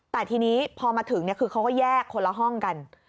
แต่ทีนี้พอมาถึงคือเขาก็แยกคนละห้องกัน